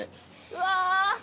「うわ」